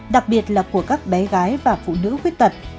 đặc biệt là của các bé gái và phụ nữ khuyết tật